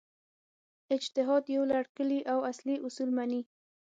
اجتهاد یو لړ کُلي او اصلي اصول مني.